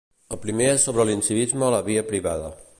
El primer és sobre l'incivisme a la via privada.